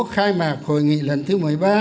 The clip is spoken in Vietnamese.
khai mạc hội nghị lần thứ một mươi ba